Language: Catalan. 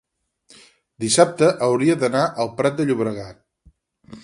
dissabte hauria d'anar al Prat de Llobregat.